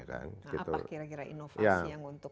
nah apa kira kira inovasi yang untuk